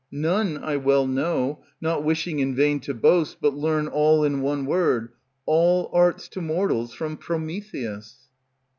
None, I well know, not wishing in vain to boast. But learn all in one word, All arts to mortals from Prometheus.